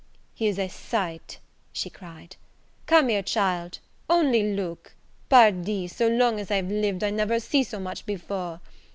"Here's a sight!" she cried. "Come, here child, only look Pardi, so long as I've lived, I never see so much before!